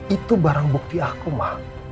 itu barang bukti aku mah